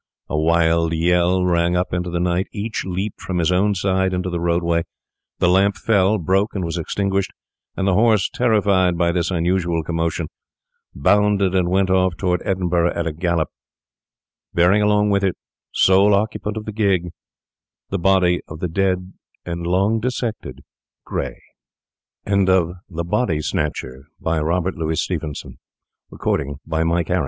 A wild yell rang up into the night; each leaped from his own side into the roadway: the lamp fell, broke, and was extinguished; and the horse, terrified by this unusual commotion, bounded and went off toward Edinburgh at a gallop, bearing along with it, sole occupant of the gig, the body of the dead and long dissected Gray. THE STORY OF A LIE CHAPTER I—INTRODUCES THE ADMIRAL WHEN Dick Naseby was i